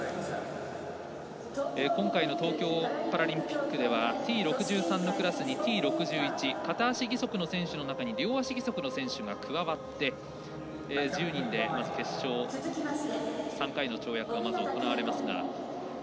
今回の東京パラリンピックではＴ６３のクラスに、Ｔ６１片足義足の選手の中に両足義足の選手が加わって１０人で決勝３回の跳躍がまず行われますが。